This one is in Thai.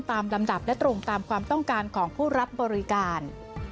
ลำดับและตรงตามความต้องการของผู้รับบริการ